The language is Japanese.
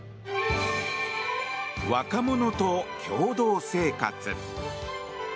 若者と共同生活。